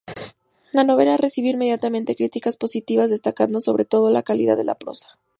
La novela recibió inmediatamente críticas positivas, destacando sobre todo la calidad de la prosa.